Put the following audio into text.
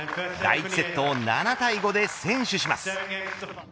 第１セットを７対５で先取します。